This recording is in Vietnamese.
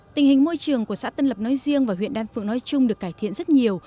tình hình môi trường của xã tân lập nói riêng và huyện đan phượng nói chung được cải thiện rất nhiều